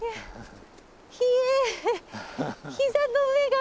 ひえ。